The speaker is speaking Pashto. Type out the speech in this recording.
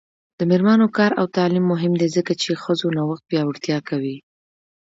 د میرمنو کار او تعلیم مهم دی ځکه چې ښځو نوښت پیاوړتیا کوي.